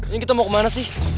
ini kita mau kemana sih